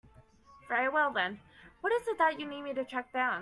Very well then, what is it that you need me to track down?